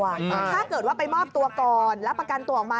ถ้าเกิดว่าไปมอบตัวก่อนแล้วประกันตัวออกมา